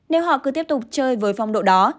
nếu họ cứ tiếp tục chơi với phong độ đó